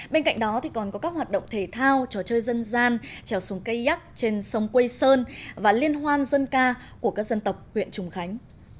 bên cạnh đó còn có các hoạt động thể thao trò chơi dân gian trèo súng cây yắc trên sông quây sơn và liên hoan dân ca của các dân tộc huyện trùng khánh